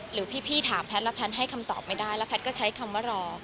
หรือพี่ถามแพทย์แล้วแพทย์ให้คำตอบไม่ได้แล้วแพทย์ก็ใช้คำว่ารอ